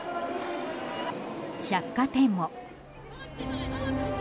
百貨店も。